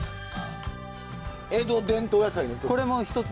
江戸伝統野菜の一つ？